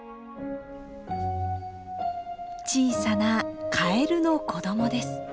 小さなカエルの子どもです。